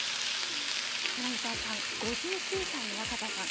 柳澤さん、５９歳の若田さん